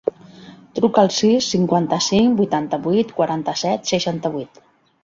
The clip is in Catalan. Truca al sis, cinquanta-cinc, vuitanta-vuit, quaranta-set, seixanta-vuit.